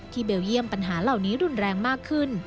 เบลเยี่ยมปัญหาเหล่านี้รุนแรงมากขึ้น